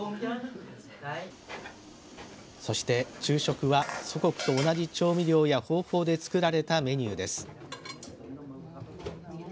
そして昼食は祖国と同じ調味料や方法で作られたメニューです。